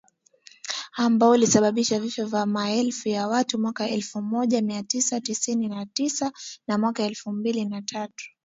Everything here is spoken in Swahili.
ambao ulisababishwa vifo vya maelfu ya watu mwaka elfu moja mia tisa tisini na tisa na mwaka elfu mbili na tatu